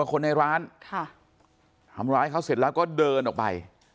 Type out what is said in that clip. คนในร้านทำร้ายเขาเสร็จแล้วก็เดินออกไป